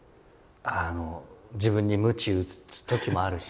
あの自分にむち打つときもあるし。